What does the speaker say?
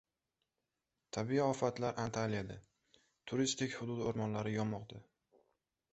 Tabiiy ofatlar Antaliyada. Turistik hudud o‘rmonlari yonmoqda